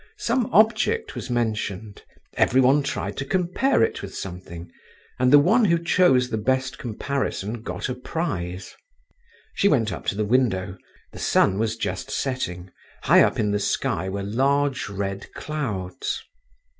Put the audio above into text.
Some object was mentioned, every one tried to compare it with something, and the one who chose the best comparison got a prize.) She went up to the window. The sun was just setting; high up in the sky were large red clouds.